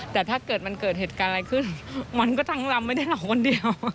แต่ถ้าเกิดมันเกิดเหตุการณ์อะไรขึ้นมันก็ทั้งเราไม่ได้เราคนเดียว